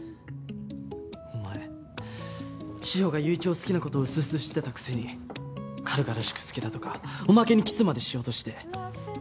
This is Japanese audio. お前志法が友一を好きな事をうすうす知ってたくせに軽々しく好きだとかおまけにキスまでしようとして。